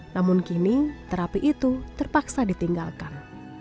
namun kini terapi itu terpaksa ditinggalkan